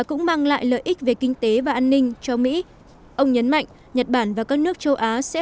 cũng mang lại lợi ích về kinh tế và an ninh cho mỹ ông nhấn mạnh nhật bản và các nước châu á sẽ